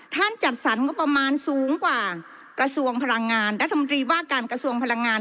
จัดสรรงบประมาณสูงกว่ากระทรวงพลังงานรัฐมนตรีว่าการกระทรวงพลังงาน